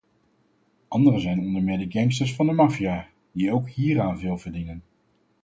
Anderen zijn onder meer de gangsters van de maffia, die ook hieraan veel verdienen.